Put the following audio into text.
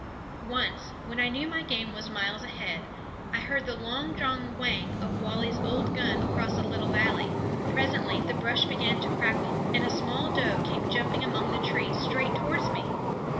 Once, when I knew my game was miles ahead, I heard the longdrawn whang of Wally's old gun across a little valley. Presently the brush began to crackle, and a small doe came jumping among the trees straight towards me.